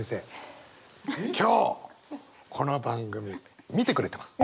今日この番組見てくれてます。